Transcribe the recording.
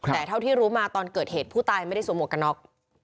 แต่เท่าที่รู้มาตอนเกิดเหตุผู้ตายไม่ได้สวมหวกกันน็อก